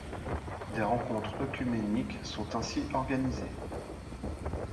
Des rencontres œcuméniques sont ainsi organisées.